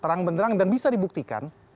terang benderang dan bisa dibuktikan